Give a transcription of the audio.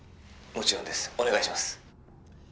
もちろんですお願いします